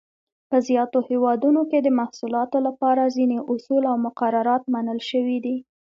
په زیاتو هېوادونو کې د محصولاتو لپاره ځینې اصول او مقررات منل شوي دي.